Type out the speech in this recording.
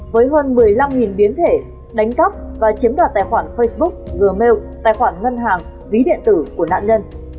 với hơn một mươi năm biến thể đánh cắp và chiếm đoạt tài khoản facebook gmail tài khoản ngân hàng ví điện tử của nạn nhân